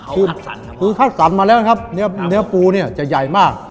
เขาคัดสรรค่ะคือคัดสรรมาแล้วนะครับเนื้อปูเนี่ยจะใหญ่มาก